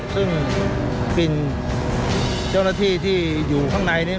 ซึ่งเป็นเจ้าหน้าที่ที่อยู่ข้างในนี้